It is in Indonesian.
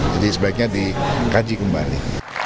jadi sebaiknya dikaji kembali